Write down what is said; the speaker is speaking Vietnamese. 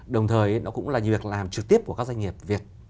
đồng thời nó cũng là việc làm trực tiếp của các doanh nghiệp việt